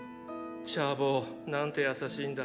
チャー坊なんて優しいんだ。